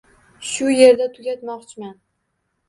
Shu yerda tugatmoqchiman